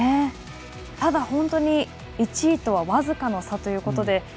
ただ、本当に１位とは僅かの差ということで。